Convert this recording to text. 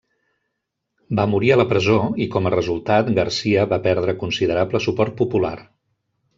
Va morir a la presó i com a resultat Garcia va perdre considerable suport popular.